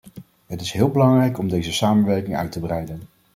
Het is heel belangrijk om deze samenwerking uit te breiden.